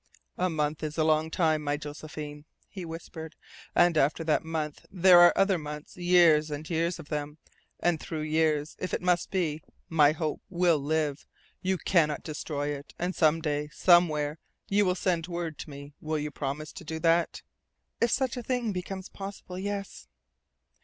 "A month is a long time, my Josephine," he whispered. "And after that month there are other months years and years of them, and through years, if it must be, my hope will live. You cannot destroy it, and some day, somewhere, you will send word to me. Will you promise to do that?" "If such a thing becomes possible, yes."